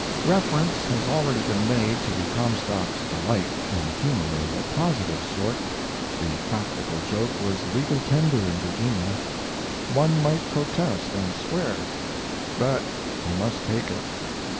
Reference has already been made to the Comstock's delight in humor of a positive sort. The practical joke was legal tender in Virginia. One might protest and swear, but he must take it.